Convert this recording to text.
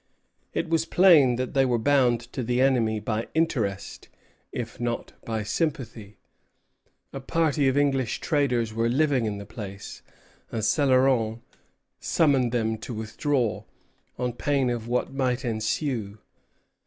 It was plain that they were bound to the enemy by interest, if not by sympathy. A party of English traders were living in the place; and Céloron summoned them to withdraw, on pain of what might ensue.